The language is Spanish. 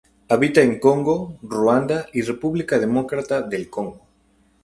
Habita en Congo, Ruanda y República Democrática del Congo.